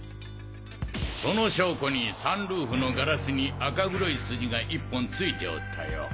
その証拠にサンルーフのガラスに赤黒い筋が１本ついておったよ。